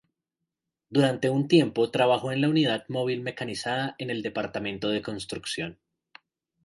Durante un tiempo trabajó en la unidad móvil mecanizada en el departamento de construcción.